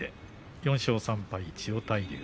４勝３敗、千代大龍。